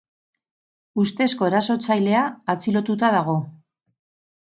Ustezko erasotzailea atxilotuta dago.